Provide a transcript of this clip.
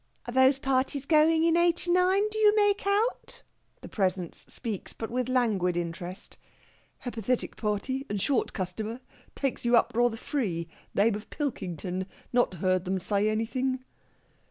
"Are those parties going, in eighty nine, do you make out?" The Presence speaks, but with languid interest. "Hapathetic party, and short customer. Takes you up rather free. Name of Pilkington. Not heard 'em say anything!"